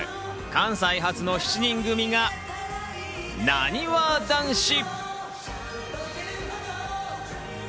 関西初の７人組が、なにわ男子。